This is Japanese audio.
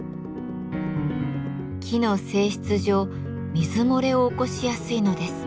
木の性質上水漏れを起こしやすいのです。